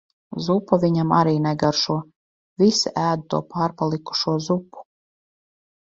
Zupa viņam arī negaršo. Visi ēd to pārpalikušo zupu.